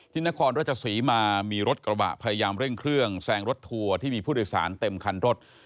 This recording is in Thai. นครราชศรีมามีรถกระบะพยายามเร่งเครื่องแซงรถทัวร์ที่มีผู้โดยสารเต็มคันรถ